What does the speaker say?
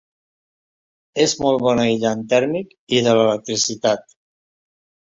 És molt bon aïllant tèrmic i de l'electricitat.